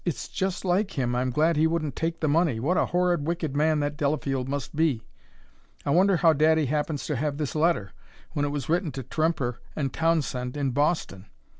"It's just like him! I'm glad he wouldn't take the money! What a horrid, wicked man that Delafield must be! I wonder how daddy happens to have this letter, when it was written to Tremper & Townsend, in Boston!"